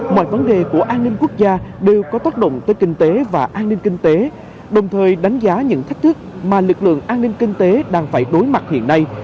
mọi vấn đề của an ninh quốc gia đều có tác động tới kinh tế và an ninh kinh tế đồng thời đánh giá những thách thức mà lực lượng an ninh kinh tế đang phải đối mặt hiện nay